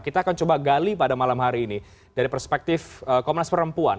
kita akan coba gali pada malam hari ini dari perspektif komnas perempuan